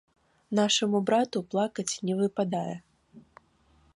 Нашаму брату плакаць не выпадае.